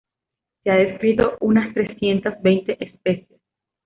Se ha descrito unas trescientas veinte especies.